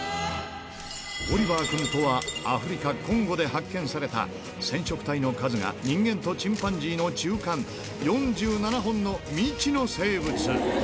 オリバー君とは、アフリカ・コンゴで発見された染色体の数が人間とチンパンジーの中間、４７本の未知の生物。